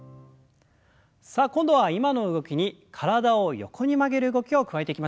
さあ今度は今の動きに体を横に曲げる動きを加えていきましょう。